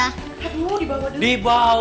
aduh dibawa dulu